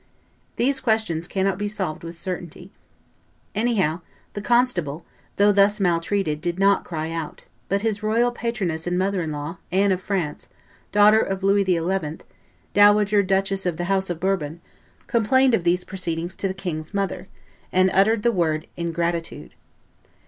These questions cannot be solved with certainty. Anyhow the constable, though thus maltreated, did not cry out; but his royal patroness and mother in law, Anne of France, daughter of Louis XI., dowager duchess of the house of Bourbon, complained of these proceedings to the king's mother, and uttered the word ingratitude.